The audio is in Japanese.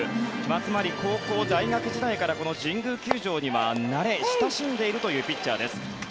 つまり高校、大学時代からこの神宮球場には慣れ親しんでいるというピッチャーです。